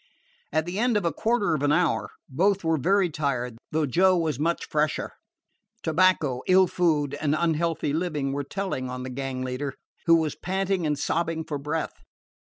At the end of a quarter of an hour, both were very tired, though Joe was much fresher. Tobacco, ill food, and unhealthy living were telling on the gang leader, who was panting and sobbing for breath.